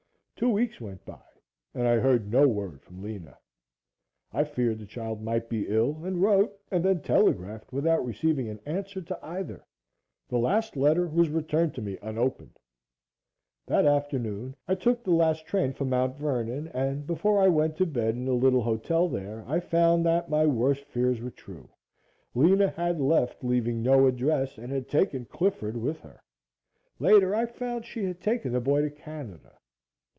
Two weeks went by and I heard no word from Lena. I feared the child might be ill and wrote and then telegraphed without receiving an answer to either. The last letter was returned to me unopened. That afternoon I took the last train for Mt. Vernon, and before I went to bed in the little hotel there, I found that my worst fears were true Lena had left, leaving no address, and had taken Clifford with her. Later, I found she had taken the boy to Canada.